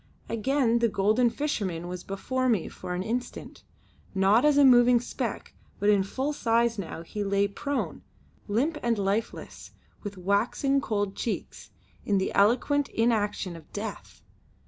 Again, the golden fisherman was before me for an instant, not as a moving speck but in full size now he lay prone; limp and lifeless, with waxen cold cheeks, in the eloquent inaction of death.